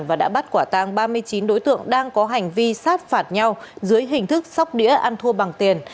và đã bắt quả tang ba mươi chín đối tượng đang có hành vi sát phạt nhau dưới hình thức sóc đĩa ăn thua bằng tiền